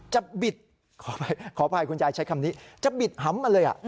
บิดขออภัยคุณยายใช้คำนี้จะบิดหำมาเลย